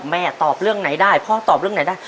แม่ตอบเรื่องไหนได้พ่อตอบเรื่องไหนได้